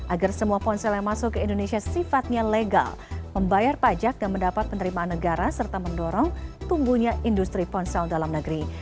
agar semua ponsel yang masuk ke indonesia sifatnya legal membayar pajak dan mendapat penerimaan negara serta mendorong tumbuhnya industri ponsel dalam negeri